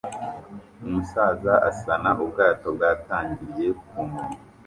Umusaza asana ubwato bwatangiriye ku nkombe